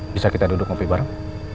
bisa kita duduk ngopi bareng